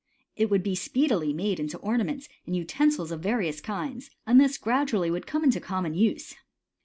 It would be speedily made into ornaments and utensils of various kinds, and thus gradually would come into common use.